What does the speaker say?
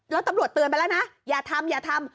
แล้วตำรวจเตือนไปแล้วนะอย่าทำอย่าทำ